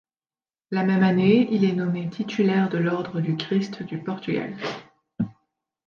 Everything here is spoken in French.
La même année, il est nommé titulaire de l'Ordre du Christ du Portugal.